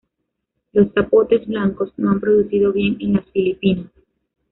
Los zapotes blancos no han producido bien en las Filipinas.